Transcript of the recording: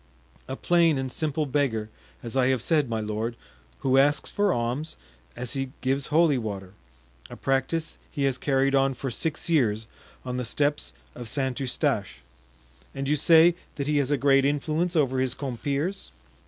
"A plain and simple beggar, as I have said, my lord, who asks for alms, as he gives holy water; a practice he has carried on for six years on the steps of St. Eustache." "And you say that he has a great influence over his compeers?"